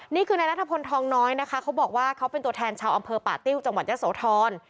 นี่คือนายนัทพลทองน้อยนะคะเขาบอกว่าเขาเป็นตัวแทนชาวอำเภอป่าติ้วจังหวัดยะโสธร